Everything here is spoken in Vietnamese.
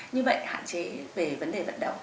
như vậy hạn chế về vấn đề vận động